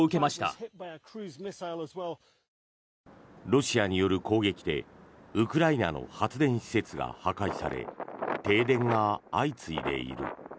ロシアによる攻撃でウクライナの発電施設が破壊され停電が相次いでいる。